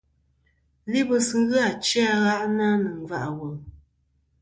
Libɨs ghɨ achi a gha'na nɨ̀ nga' ɨ wùl.